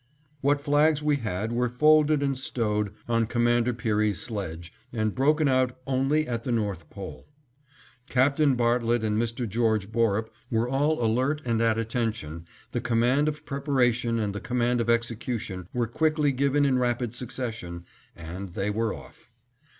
What flags we had were folded and stowed on Commander Peary's sledge, and broken out only at the North Pole. Captain Bartlett and Mr. George Borup were all alert and at attention, the command of preparation and the command of execution were quickly given in rapid succession, and they were off.